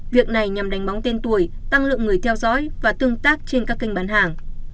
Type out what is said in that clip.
việc này nhằm đánh bóng tên tuổi tăng lượng người theo dõi và tương tác trên các kênh bán hàng